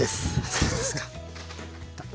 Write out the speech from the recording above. そうですか。